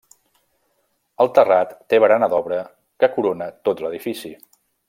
El terrat té barana d’obra que corona tot l’edifici.